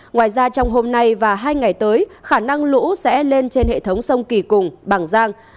ngoài ra trong hôm nay và hai ngày tới khả năng lũ sẽ lên trên hệ thống sông kỳ cùng bằng giang